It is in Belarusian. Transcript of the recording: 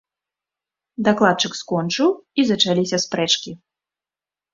Дакладчык скончыў, і зачаліся спрэчкі.